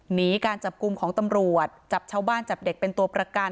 หนีการจับกลุ่มของตำรวจจับชาวบ้านจับเด็กเป็นตัวประกัน